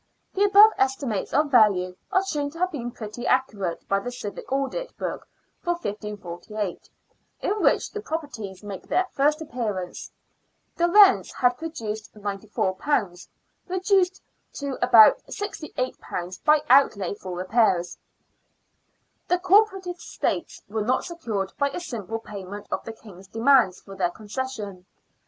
The above estimates of value are shown to have been pretty accurate by the civic audit book for 1548, in which the properties make their first appearance. The rents had produced £94, reduced to about £68 by outlay for repairs. The corporate estates were not secured by a simple payment of the King's demands for their concession.